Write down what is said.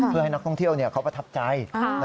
เพื่อให้นักท่องเที่ยวเขาประทับใจ